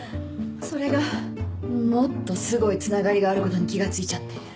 それがもっとすごいつながりがあることに気が付いちゃって。